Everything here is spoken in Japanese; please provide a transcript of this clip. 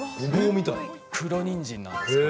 黒にんじんなんです。